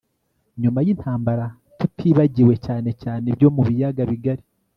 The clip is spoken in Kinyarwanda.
nyuma y'intambara tutibagiwe cyane cyane ibyo mu biyaga bigali